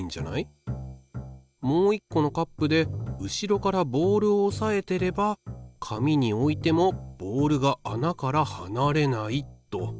もう一個のカップで後ろからボールをおさえてれば紙に置いてもボールが穴からはなれないと。